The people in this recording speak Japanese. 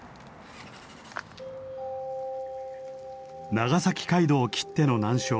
長崎街道きっての難所